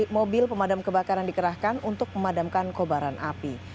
empat mobil pemadam kebakaran dikerahkan untuk memadamkan kobaran api